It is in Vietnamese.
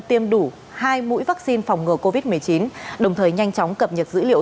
tiêm đủ hai mũi vaccine phòng ngừa covid một mươi chín đồng thời nhanh chóng cập nhật dữ liệu